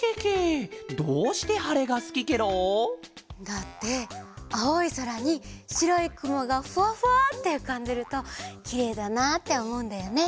どうしてはれがすきケロ？だってあおいそらにしろいくもがフワフワッてうかんでるときれいだなっておもうんだよね。